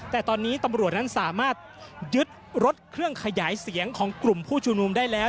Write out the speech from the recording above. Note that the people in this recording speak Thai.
แต่ตอนนี้ตำรวจนั้นสามารถยึดรถเครื่องขยายเสียงของกลุ่มผู้ชุมนุมได้แล้ว